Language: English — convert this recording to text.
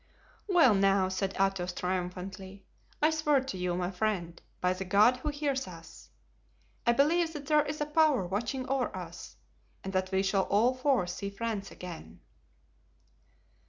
"Well, now," said Athos, triumphantly, "I swear to you, my friend, by the God who hears us—I believe that there is a power watching over us, and that we shall all four see France again."